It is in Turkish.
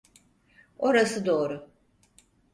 Orası doğru.